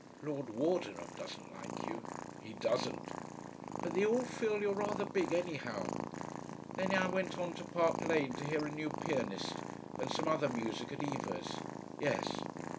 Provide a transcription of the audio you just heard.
Lord Wardenham doesn't like you." "He doesn't." "But they all feel you're rather big, anyhow. Then I went on to Park Lane to hear a new pianist and some other music at Eva's." "Yes."